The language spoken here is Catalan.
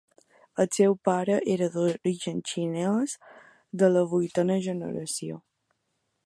El seu pare era d'origen xinès, de la vuitena generació.